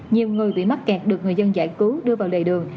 nhiều người bị mắc kẹt được người dân giải cứu đưa vào lề đường